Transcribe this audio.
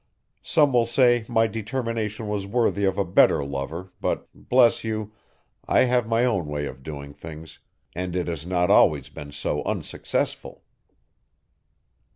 Some will say my determination was worthy of a better lover but, bless you! I have my own way of doing things and it has not been always so unsuccessful.